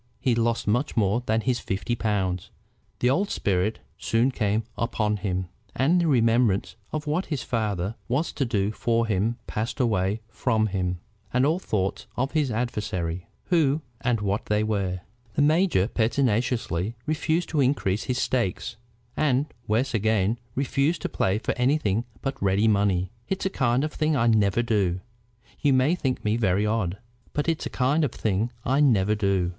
he lost much more than his fifty pounds. The old spirit soon came upon him, and the remembrance of what his father was to do for him passed away from him, and all thoughts of his adversaries, who and what they were. The major pertinaciously refused to increase his stakes, and, worse again, refused to play for anything but ready money. "It's a kind of thing I never do. You may think me very odd, but it's a kind of thing I never do."